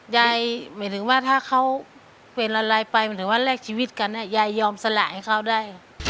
หมายถึงว่าถ้าเขาเป็นอะไรไปหมายถึงว่าแลกชีวิตกันยายยอมสละให้เขาได้